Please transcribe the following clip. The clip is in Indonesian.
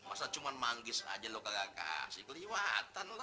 masa cuma manggis aja lo kagak kasih keliatan lo